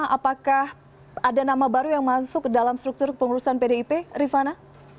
apakah ada nama baru yang masuk ke dalam struktur kepengurusan pdip rifana